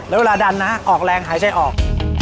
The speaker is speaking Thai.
แล้วเวลาดันนะออกแรงหายใจออก